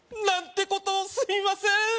何てことをすみません